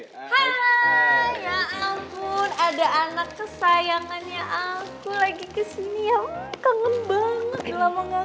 hai hai ya ampun ada anak kesayangannya aku lagi kesini ya kangen banget belum mau